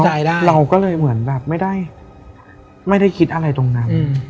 เข้าใกล้ได้เราก็เลยเหมือนแบบไม่ได้ไม่ได้คิดอะไรตรงนั้นอืม